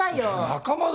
仲間だろ？